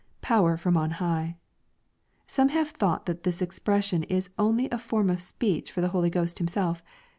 [Power from on high.] Some have thought that this expression IS only a form of speech for the Holy Ghost Himself.